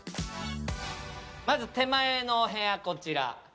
まず、手前のお部屋、こちら。